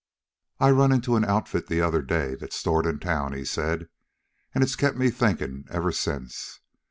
"I run into an outfit the other day, that's stored in town," he said, "an' it's kept me thinkin' ever since.